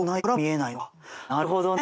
なるほどね。